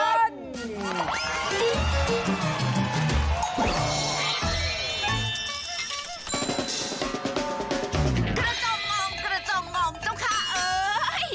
กระจ่องงองกระจ่องงองเจ้าค่ะเอ๋ย